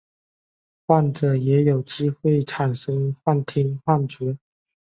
患者也有机会产生幻听幻觉。